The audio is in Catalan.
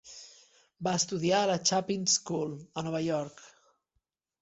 Va estudiar a la Chapin School, a Nova York.